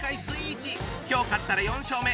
今日勝ったら４勝目。